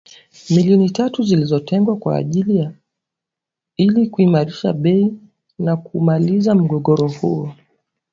milioni tatu zilizotengwa kwa ajili ya ili kuimarisha bei na kumaliza mgogoro huo